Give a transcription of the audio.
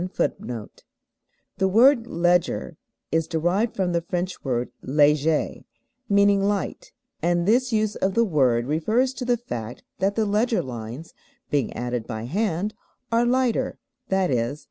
[Footnote 4: The word leger is derived from the French word LÉGER, meaning light, and this use of the word refers to the fact that the leger lines, being added by hand, are lighter _i.e.